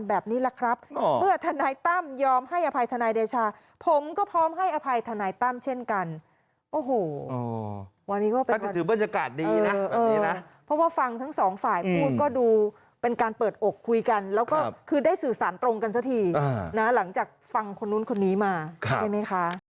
อาจจะถือบรรยากาศดีนะเพราะว่าฟังทั้งสองฝ่ายพูดก็ดูเป็นการเปิดอกคุยกันแล้วก็คือได้สื่อสารตรงกันซะทีนะหลังจากฟังคนนู้นคนนี้มาได้ไหมคะ